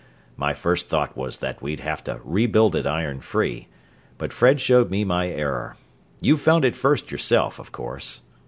My first thought was that we'd have to rebuild it iron free, but Fred showed me my error you found it first yourself, of course."